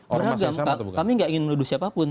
beragam kami tidak ingin menuduh siapapun